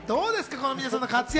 この皆さんの活躍。